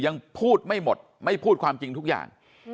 ยังพูดไม่หมดไม่พูดความจริงทุกอย่าง